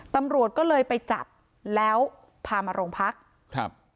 ตำรวจก็เลยไปจับแล้วพามาโรงพักครับ